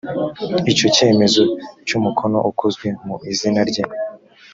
icyo cyemezo cy’umukono ukozwe mu izina rye